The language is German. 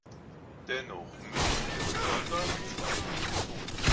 Dennoch müssen wir besonders zwei Dinge tun.